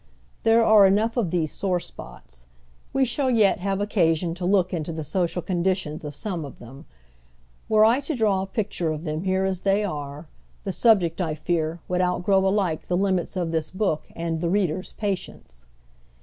There are enough of these sore spots. We shall yet have occasion to look into the social con ditions of some of them ; were I to draw a picture of them here as they are, the subject, I fear, would outgrow alike the limits of this book and the reader's patience.